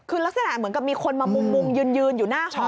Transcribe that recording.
คือลักษณะเหมือนกับมีคนมามุงยืนอยู่หน้าหอ